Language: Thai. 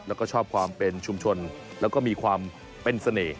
แล้วก็ชอบความเป็นชุมชนแล้วก็มีความเป็นเสน่ห์